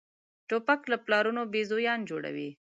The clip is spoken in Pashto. توپک له پلارونو بېزویان جوړوي.